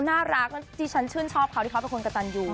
น่ารักแล้วที่ฉันชื่นชอบเขาที่เขาเป็นคนกระตันอยู่